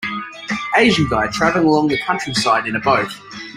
Asian guy traveling along the countryside in a boat.